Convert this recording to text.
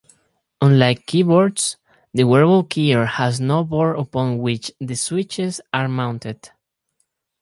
Unlike key"board"s, the wearable keyer has no board upon which the switches are mounted.